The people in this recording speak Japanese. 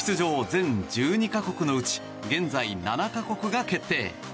全１２か国のうち現在、７か国が決定。